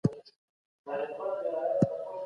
واکسینونه د ناروغیو مخنیوی کوي.